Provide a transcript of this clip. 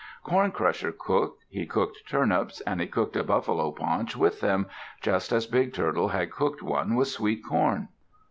Corn Crusher cooked. He cooked turnips, and he cooked a buffalo paunch with them, just as Big Turtle had cooked one with sweet corn.